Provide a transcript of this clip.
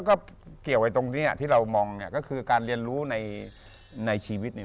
ก็เกี่ยวไว้ตรงนี้ที่เรามองก็คือการเรียนรู้ในชีวิต